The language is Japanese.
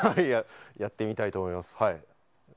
やってみたいと思います。